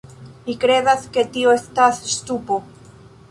Mi kredas, ke tio estas ŝtupo